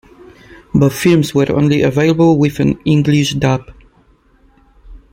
Both films were only available with an English-dub.